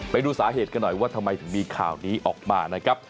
ไปดูสาเหตุกันหน่อยว่าทำไมถึงมีข่าวนี้ออกมานะครับ